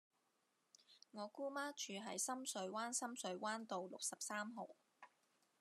我姑媽住喺深水灣深水灣道六十三號